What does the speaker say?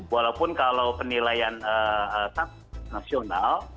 walaupun kalau penilaian transnasional